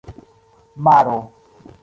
maro